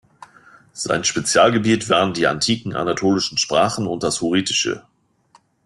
Sein Spezialgebiet waren die antiken anatolischen Sprachen und das Hurritische.